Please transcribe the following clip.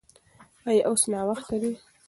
ایا اوس ناوخته ده؟